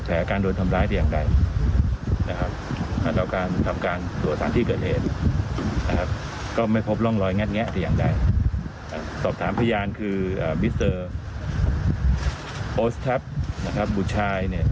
ให้การว่านะครับเมื่อวันที่๒๙ภูทรภาคเกียบพลันท่านเข้านอนเมื่อเวลาประมาณ๒๐นาที